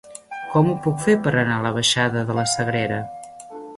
Com ho puc fer per anar a la baixada de la Sagrera?